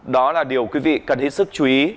đó là điều quý vị cần hết sức chú ý